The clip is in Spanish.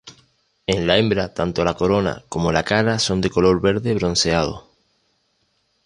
En la hembra tanto la corona como la cara son de color verde bronceado.